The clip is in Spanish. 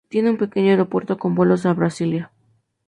Tiene un pequeño aeropuerto con vuelos a Brasilia.